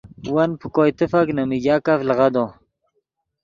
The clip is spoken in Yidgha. ون پے کوئے تیفک نے میگاکف لیغدو